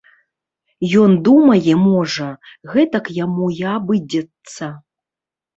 Ён думае можа, гэтак яму і абыдзецца!